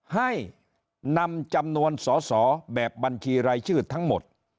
ให้นำจำนวนสอสอแบบบัญชีรายชื่อทั้งหมด